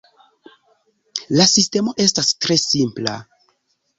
La sistemo estas tre simpla.